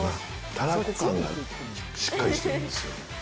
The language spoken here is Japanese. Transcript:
たらこ感がしっかりしてるんですよ。